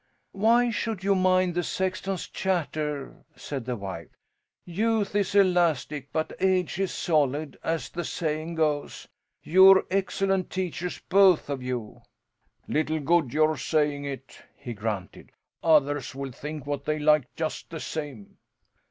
"Why should you mind the sexton's chatter?" said the wife. "'Youth is elastic, but age is solid,' as the saying goes. You're excellent teachers both of you." "Little good your saying it!" he grunted. "Others will think what they like just the same."